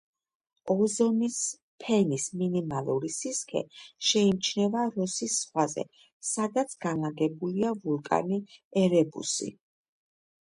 ოზონის ფენის მინიმალური სისქე შეიმჩნევა როსის ზღვაზე, სადაც განლაგებულია ვულკანი ერებუსი.